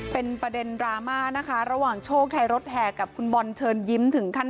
เป็นประเด็นดราม่านะคะระหว่างโชคไทยรถแห่กับคุณบอลเชิญยิ้มถึงขั้น